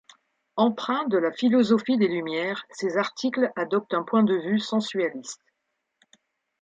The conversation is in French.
Empreints de la philosophie des Lumières, ses articles adoptent un point de vue sensualiste.